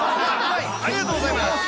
ありがとうございます。